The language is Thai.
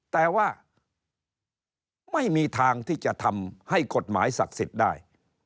แต่ว่าไม่มีทางที่จะทำให้กฎหมายศักดิ์สิทธิ์ได้